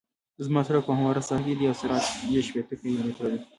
زما سرک په همواره ساحه کې دی او سرعت یې شپیته کیلومتره دی